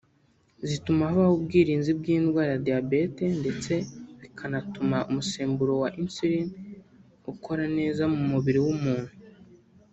zituma habaho ubwirinzi bw’indwara ya diabete ndetse bikanatuma umusemburo wa insulin ukora neza mu mubiri w’umuntu